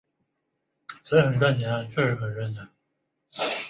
他自然在很多地方要采用别人的说法。